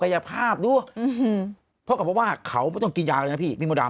ภาพดูเพราะกับว่าเขาไม่ต้องกินยาเลยนะพี่พี่มดดำ